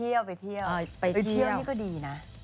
เที่ยวไปเที่ยวไปเที่ยวนี่ก็ดีนะ